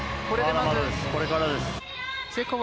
ここからですね。